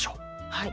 はい。